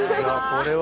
これは。